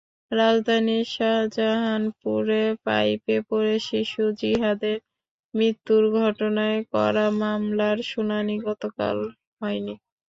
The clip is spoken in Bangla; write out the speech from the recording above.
রাজধানীর শাহজাহানপুরে পাইপে পড়ে শিশু জিহাদের মৃত্যুর ঘটনায় করা মামলার শুনানি গতকাল হয়নি।